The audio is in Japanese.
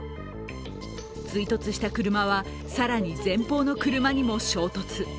追突した車は、更に前方の車にも衝突。